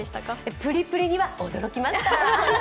プリプリには驚きました。